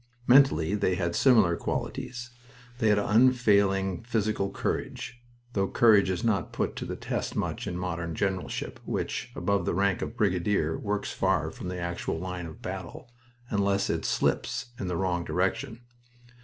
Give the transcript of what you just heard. Mentally they had similar qualities. They had unfailing physical courage though courage is not put to the test much in modern generalship, which, above the rank of brigadier, works far from the actual line of battle, unless it "slips" in the wrong direction.